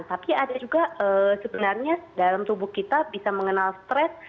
tapi ada juga sebenarnya dalam tubuh kita bisa mengenal stres